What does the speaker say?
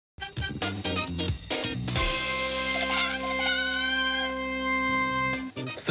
สนับสนุนโดยออร์นิวอินโนว่าคริสตาร์